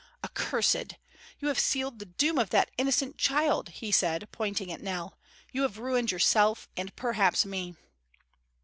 "Accursed! You have sealed the doom of that innocent child," he said, pointing at Nell. "You have ruined yourself and perhaps me."